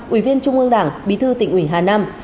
ủy viên trung ương đảng bí thư tỉnh ủy hà nam